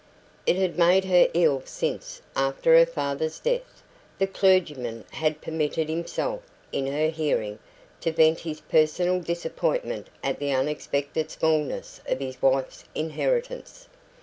It had made her ill since, after her father's death, the clergyman had permitted himself, in her hearing, to vent his personal disappointment at the unexpected smallness of his wife's inheritance.